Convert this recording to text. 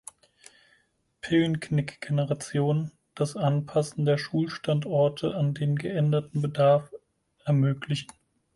Pillenknick-Generation das Anpassen der Schulstandorte an den geänderten Bedarf ermöglichen.